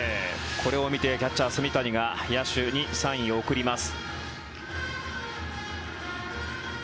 これを見てキャッチャー、炭谷が野手にサインを送ります。